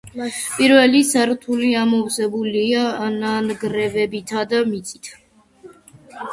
პირველი სართული ამოვსებულია ნანგრევებითა და მიწით.